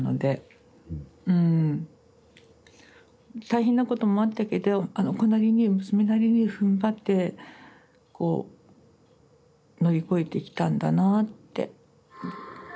大変なこともあったけどあの子なりに娘なりにふんばってこう乗り越えてきたんだなあって。